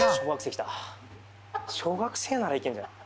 小学生ならいけんじゃない？